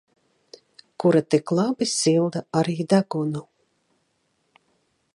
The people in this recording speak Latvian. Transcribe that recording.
Kura tik labi silda arī degunu.